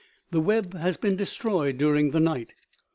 the web has been destroyed during the night.